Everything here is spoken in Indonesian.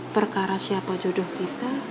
perkara siapa jodoh kita